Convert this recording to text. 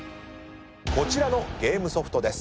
こちらのゲームソフトです。